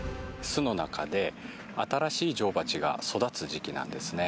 巣の中で、新しい女王蜂が育つ時期なんですね。